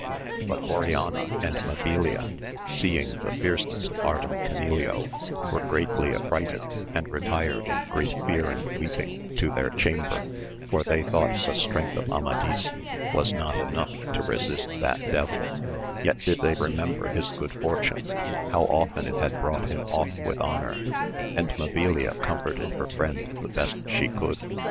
But Oriana and Mabilia seeing the fierceness of Ardan Canilio were greatly afl&ighted and retired in great fear and weeping to their chamber, for they thought the strength of Amadis was not enough to"resist that devil ; yet did they remember his good fortune, how often it had brought him off with honour, and Mabilia comforted her friend the best she could.